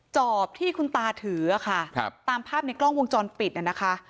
จอบที่คุณตาถือค่ะตามภาพในกล้องวงจรปิดน่ะนะคะ